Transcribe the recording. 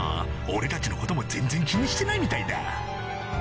俺たちのことも全然気にしてないみたいだ